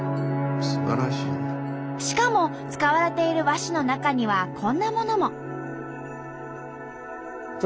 しかも使われている和紙の中にはこんなものも。